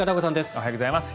おはようございます。